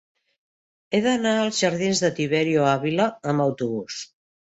He d'anar als jardins de Tiberio Ávila amb autobús.